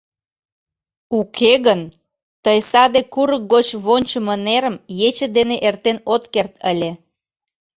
Уке гын, тый саде курык гоч вончымо нерым ече дене эртен от керт ыле.